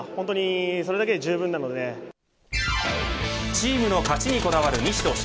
チームの勝ちにこだわる西投手。